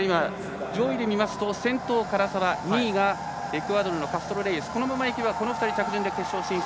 上位で見ると、先頭、唐澤２位がエクアドルのカストロレイエス。このままいけばこの２人が着順で決勝進出。